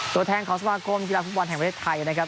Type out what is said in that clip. ตัวแทนของสมาคมกีฬาฟุตบอลแห่งประเทศไทยนะครับ